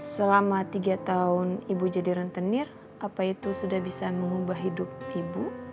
selama tiga tahun ibu jadi rentenir apa itu sudah bisa mengubah hidup ibu